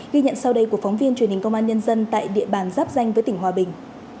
ghi nhận sau đây của phóng viên truyền hình công an nhân dân tại địa bàn giáp danh với tỉnh hòa bình